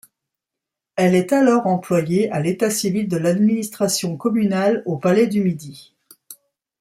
Elle est alors employée à l'État-civil de l'administration communale au Palais du Midi.